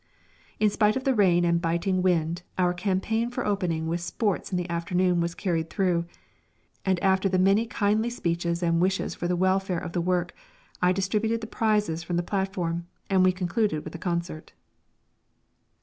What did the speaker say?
In spite of the rain and biting wind, our campaign for opening with sports in the afternoon was carried through; and after the many kindly speeches and wishes for the welfare of the work, I distributed the prizes from the platform, and we concluded with a concert.